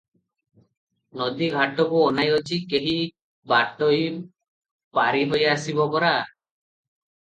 ନଦୀଘାଟକୁ ଅନାଇ ଅଛି; କେହି ବାଟୋଇ ପାରିହୋଇ ଆସିବ ପରା!